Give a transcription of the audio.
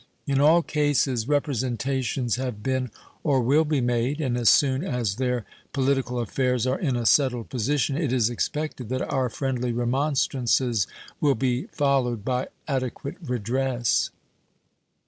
In all cases representations have been or will be made, and as soon as their political affairs are in a settled position it is expected that our friendly remonstrances will be followed by adequate redress.